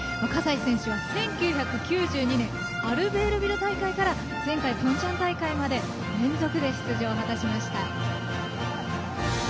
葛西選手は１９９２年アルベールビル大会から前回、ピョンチャン大会まで連続で出場を果たしました。